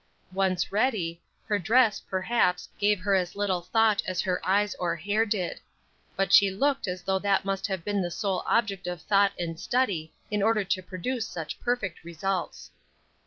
Once ready, her dress, perhaps, gave her as little thought as her eyes or hair did. But she looked as though that must have been the sole object of thought and study in order to produce such perfect results.